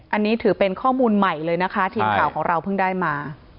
อันนี้ถือเป็นข้อมูลใหม่เลยนะคะทีมข่าวของเราเพิ่งได้มา